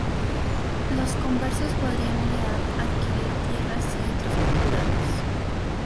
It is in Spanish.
Los conversos podrían heredar, adquirir tierras y otras propiedades.